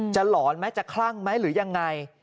หลอนไหมจะคลั่งไหมหรือยังไง